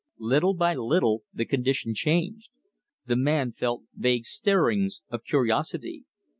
Little by little the condition changed. The man felt vague stirrings of curiosity.